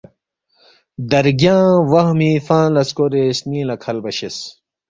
درگیانگ وہمی فنگ لا سکورے سنینگ لا کھلبہ شیس